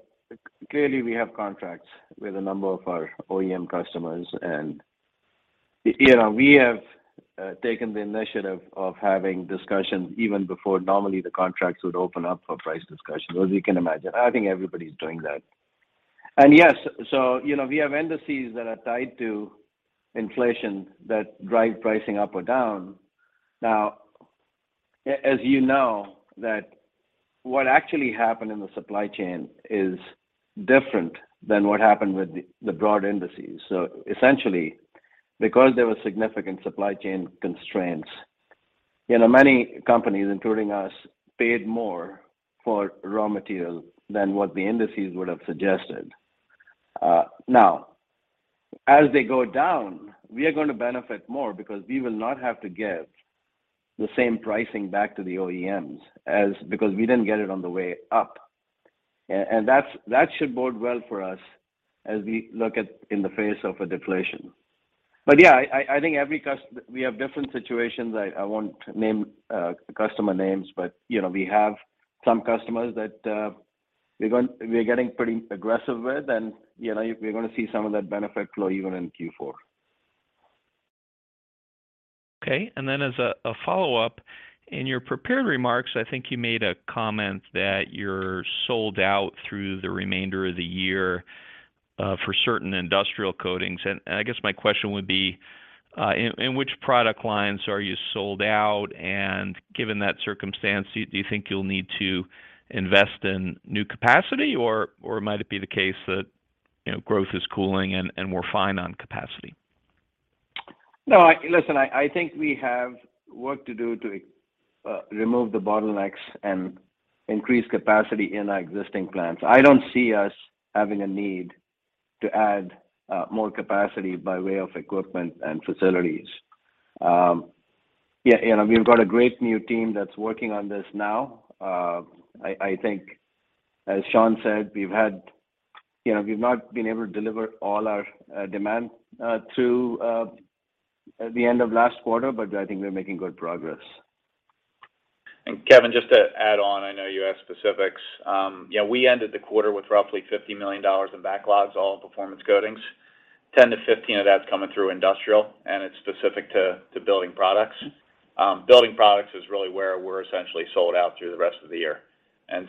clearly we have contracts with a number of our OEM customers, and, you know, we have taken the initiative of having discussions even before normally the contracts would open up for price discussions, as you can imagine. I think everybody's doing that. You know, we have indices that are tied to inflation that drive pricing up or down. Now, as you know, what actually happened in the supply chain is different than what happened with the broad indices. So essentially, because there was significant supply chain constraints, you know, many companies, including us, paid more for raw material than what the indices would have suggested. Now, as they go down, we are going to benefit more because we will not have to give the same pricing back to the OEMs because we didn't get it on the way up. That should bode well for us as we look at in the face of a deflation. Yeah, I think we have different situations. I won't name customer names, but, you know, we have some customers that we're getting pretty aggressive with, and, you know, we're gonna see some of that benefit flow even in Q4. Okay. As a follow-up, in your prepared remarks, I think you made a comment that you're sold out through the remainder of the year for certain Industrial Coatings. I guess my question would be, in which product lines are you sold out? Given that circumstance, do you think you'll need to invest in new capacity, or might it be the case that, you know, growth is cooling and we're fine on capacity? No, listen, I think we have work to do to remove the bottlenecks and increase capacity in our existing plants. I don't see us having a need to add more capacity by way of equipment and facilities. Yeah, you know, we've got a great new team that's working on this now. I think as Sean said, we've had, you know, we've not been able to deliver all our demand through the end of last quarter, but I think we're making good progress. Kevin, just to add on, I know you asked specifics. You know, we ended the quarter with roughly $50 million in backlogs, all in Performance Coatings. 10-15 of that's coming through Industrial, and it's specific to Building Products. Building Products is really where we're essentially sold out through the rest of the year.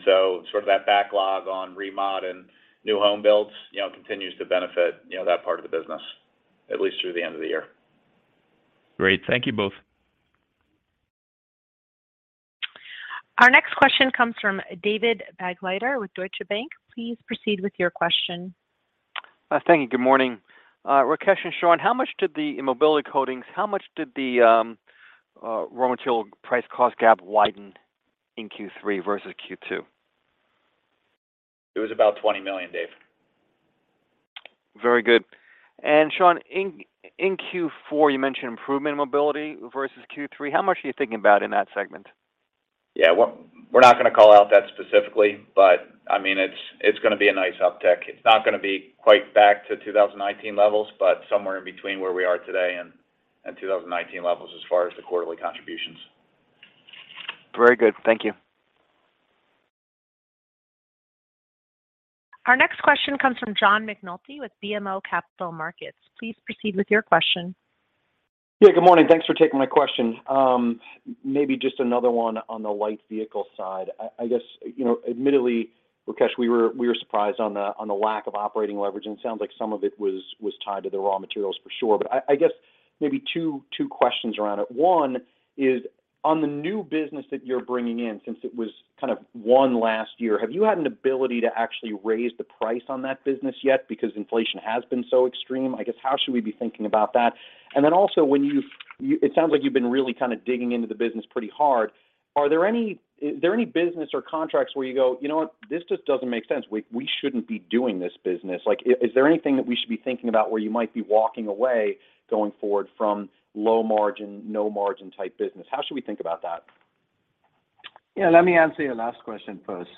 Sort of that backlog on remod and new home builds, you know, continues to benefit, you know, that part of the business, at least through the end of the year. Great. Thank you both. Our next question comes from David Begleiter with Deutsche Bank. Please proceed with your question. Thank you. Good morning. Rakesh and Sean, how much did the raw material price cost gap widen in Q3 versus Q2? It was about $20 million, Dave. Very good. Sean, in Q4, you mentioned improvement in mobility versus Q3. How much are you thinking about in that segment? Yeah. We're not gonna call out that specifically, but I mean, it's gonna be a nice uptick. It's not gonna be quite back to 2019 levels, but somewhere in between where we are today and 2019 levels as far as the quarterly contributions. Very good. Thank you. Our next question comes from John McNulty with BMO Capital Markets. Please proceed with your question. Yeah, good morning. Thanks for taking my question. Maybe just another one on the light vehicle side. I guess, you know, admittedly, Rakesh, we were surprised on the lack of operating leverage, and it sounds like some of it was tied to the raw materials for sure. I guess maybe two questions around it. One is on the new business that you're bringing in, since it was kind of won last year, have you had an ability to actually raise the price on that business yet? Because inflation has been so extreme. I guess how should we be thinking about that? And then also, it sounds like you've been really kind of digging into the business pretty hard. Is there any business or contracts where you go, "You know what? This just doesn't make sense. We shouldn't be doing this business." Like, is there anything that we should be thinking about where you might be walking away going forward from low margin, no margin type business? How should we think about that? Yeah, let me answer your last question first.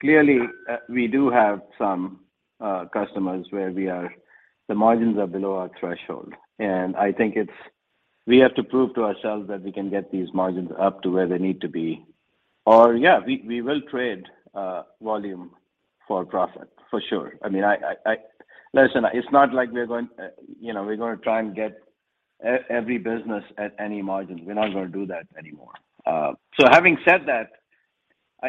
Clearly, we do have some customers where the margins are below our threshold, and I think we have to prove to ourselves that we can get these margins up to where they need to be. Yeah, we will trade volume for profit for sure. I mean, listen, it's not like we're going, you know, we're gonna try and get every business at any margin. We're not gonna do that anymore. Having said that,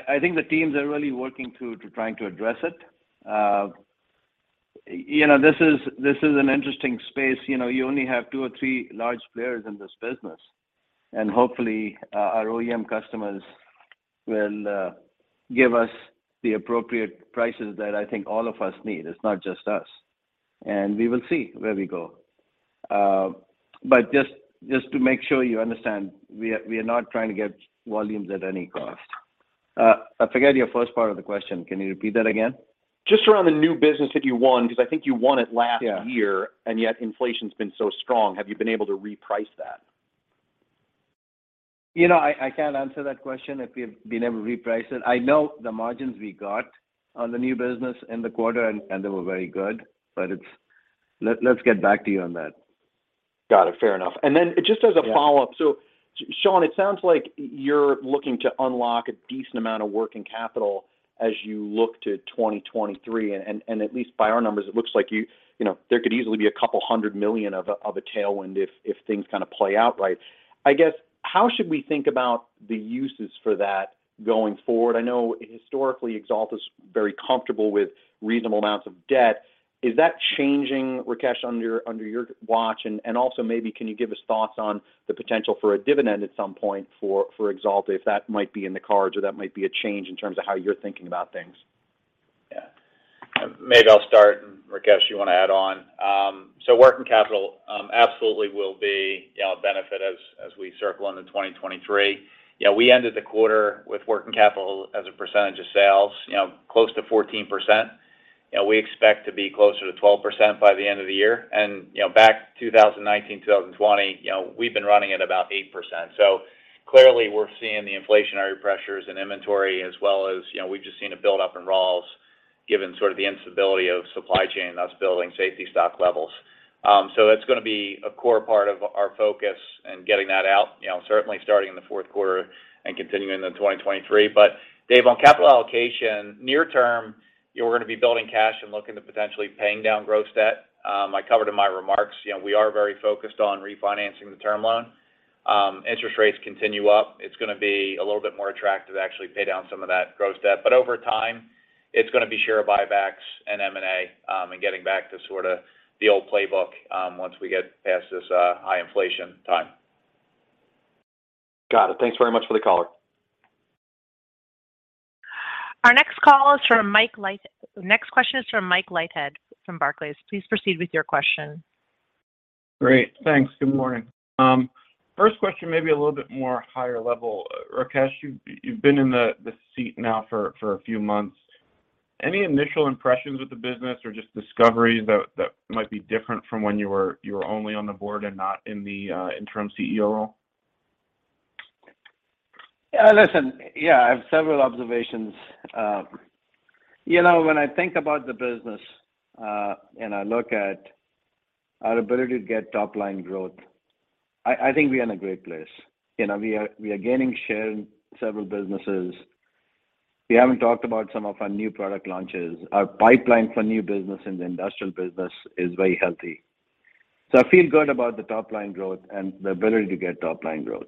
I think the teams are really working to trying to address it. You know, this is an interesting space. You know, you only have two or three large players in this business, and hopefully our OEM customers will give us the appropriate prices that I think all of us need. It's not just us, and we will see where we go. Just to make sure you understand, we are not trying to get volumes at any cost. I forget your first part of the question. Can you repeat that again? Just around the new business that you won, 'cause I think you won it last Yeah year, and yet inflation's been so strong. Have you been able to reprice that? You know, I can't answer that question if we've been able to reprice it. I know the margins we got on the new business in the quarter, and they were very good. Let's get back to you on that. Got it. Fair enough. Just as a follow-up. Yeah. Sean, it sounds like you're looking to unlock a decent amount of working capital as you look to 2023. At least by our numbers, it looks like you know, there could easily be $200 million of a tailwind if things kind of play out right. I guess, how should we think about the uses for that going forward? I know historically, Axalta's very comfortable with reasonable amounts of debt. Is that changing, Rakesh, under your watch? Also maybe can you give us thoughts on the potential for a dividend at some point for Axalta, if that might be in the cards or that might be a change in terms of how you're thinking about things? Yeah. Maybe I'll start, and Rakesh, you wanna add on. Working capital absolutely will be, you know, a benefit as we circle into 2023. You know, we ended the quarter with working capital as a percentage of sales, you know, close to 14%. You know, we expect to be closer to 12% by the end of the year. You know, back 2019, 2020, you know, we've been running at about 8%. Clearly, we're seeing the inflationary pressures in inventory as well as, you know, we've just seen a buildup in raws given sort of the instability of supply chain, thus building safety stock levels. It's gonna be a core part of our focus in getting that out, you know, certainly starting in the fourth quarter and continuing into 2023. Dave, on capital allocation, near term, you know, we're gonna be building cash and looking to potentially paying down gross debt. I covered in my remarks, you know, we are very focused on refinancing the term loan. Interest rates continue up, it's gonna be a little bit more attractive to actually pay down some of that gross debt. Over time, it's gonna be share buybacks and M&A, and getting back to sorta the old playbook, once we get past this, high inflation time. Got it. Thanks very much for the color. Next question is from Mike Leithead from Barclays. Please proceed with your question. Great. Thanks. Good morning. First question may be a little bit more higher level. Rakesh, you've been in the seat now for a few months. Any initial impressions with the business or just discoveries that might be different from when you were only on the board and not in the interim CEO role? I have several observations. You know, when I think about the business, and I look at our ability to get top-line growth, I think we're in a great place. You know, we are gaining share in several businesses. We haven't talked about some of our new product launches. Our pipeline for new business in the industrial business is very healthy. So I feel good about the top-line growth and the ability to get top-line growth.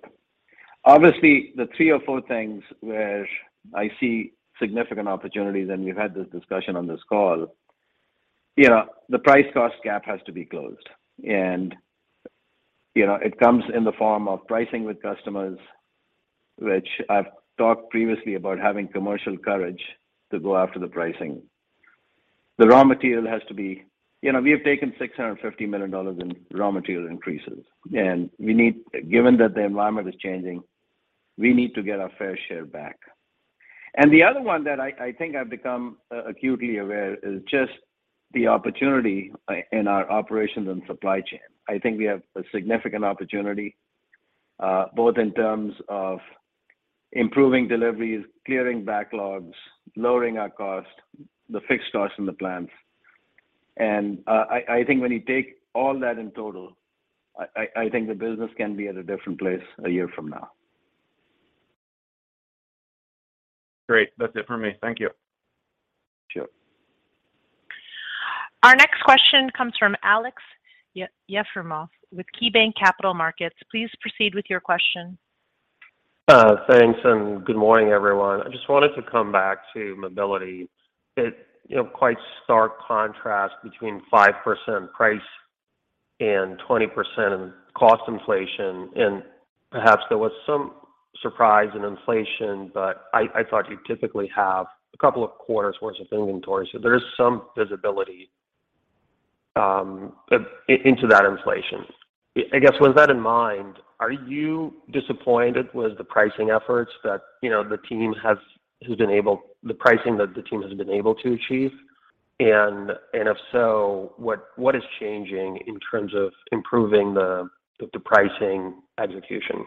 Obviously, the three or four things where I see significant opportunities, and we've had this discussion on this call, you know, the price cost gap has to be closed. You know, it comes in the form of pricing with customers, which I've talked previously about having commercial courage to go after the pricing. The raw material has to be. You know, we have taken $650 million in raw material increases, and we need. Given that the environment is changing, we need to get our fair share back. The other one that I think I've become acutely aware is just the opportunity in our operations and supply chain. I think we have a significant opportunity, both in terms of improving deliveries, clearing backlogs, lowering our cost, the fixed costs in the plants. I think when you take all that in total, I think the business can be at a different place a year from now. Great. That's it for me. Thank you. Sure. Our next question comes from Aleksey Yefremov with KeyBanc Capital Markets. Please proceed with your question. Thanks, and good morning, everyone. I just wanted to come back to mobility. You know, quite stark contrast between 5% price and 20% in cost inflation. Perhaps there was some surprise in inflation, but I thought you'd typically have a couple of quarters worth of inventory, so there is some visibility into that inflation. I guess with that in mind, are you disappointed with the pricing that the team has been able to achieve? If so, what is changing in terms of improving the pricing execution?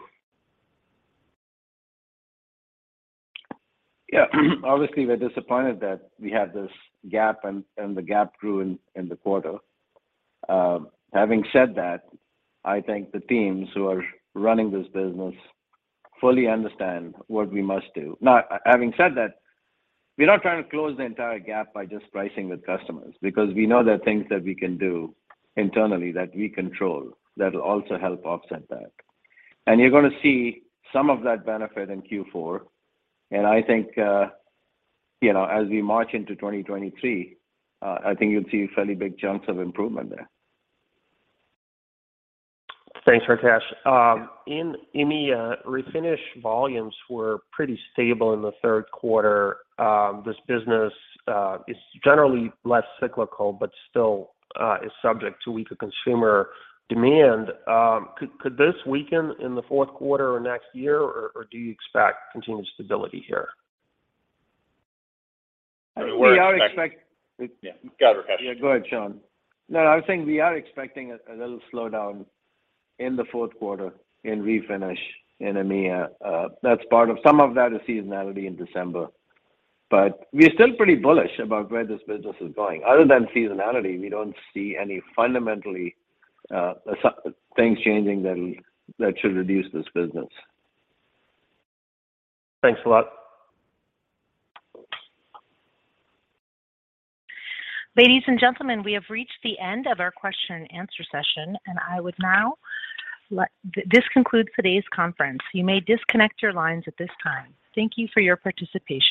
Yeah. Obviously, we're disappointed that we have this gap and the gap grew in the quarter. Having said that, I think the teams who are running this business fully understand what we must do. Now, having said that, we're not trying to close the entire gap by just pricing with customers because we know there are things that we can do internally that we control that'll also help offset that. You're gonna see some of that benefit in Q4, and I think, you know, as we march into 2023, I think you'll see fairly big chunks of improvement there. Thanks, Rakesh. In EMEA, refinish volumes were pretty stable in the third quarter. This business is generally less cyclical but still is subject to weaker consumer demand. Could this weaken in the fourth quarter or next year, or do you expect continued stability here? We're expecting. We are expect- Yeah. Go, Rakesh. Yeah, go ahead, Sean. No, I was saying we are expecting a little slowdown in the fourth quarter in refinish in EMEA. That's part of. Some of that is seasonality in December, but we're still pretty bullish about where this business is going. Other than seasonality, we don't see any fundamentally significant things changing that should reduce this business. Thanks a lot. Ladies and gentlemen, we have reached the end of our question and answer session. This concludes today's conference. You may disconnect your lines at this time. Thank you for your participation.